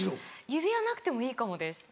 指輪なくてもいいかもです。